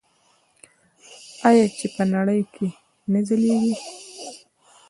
آیا چې په نړۍ کې نه ځلیږي؟